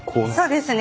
そうですね。